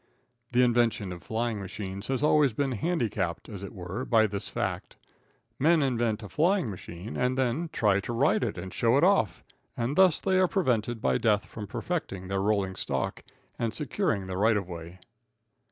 The invention of flying machines has always been handicapped, as it were, by this fact Men invent a flying machine and then try to ride it and show it off, and thus they are prevented by death from perfecting their rolling stock and securing their right of way.